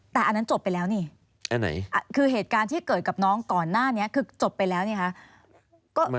แต่อันนั้นจบไปแล้วนี่คือเหตุการณ์ที่เกิดกับน้องก่อนหน้านี้คือจบไปแล้วเนี่ยคะ